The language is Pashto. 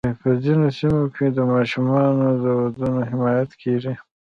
په ځینو سیمو کې د ماشومانو د ودونو حمایت کېږي.